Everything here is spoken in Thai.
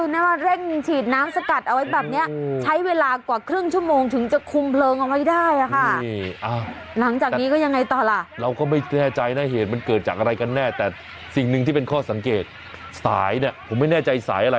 น่าว่าเร่งฉีดน้ำสกัดเอาไว้แบบนี้ใช้เวลากว่าครึ่งชั่วโมงถึงจะคุมเพลิงเอาไว้ได้ค่ะ